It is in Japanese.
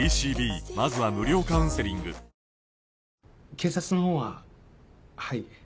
警察のほうははい。